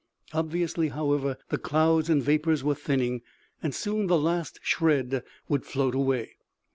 Obviously, however, the clouds and vapors were thinning, and soon the last shred would float away.